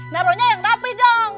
naruhnya yang rapi dong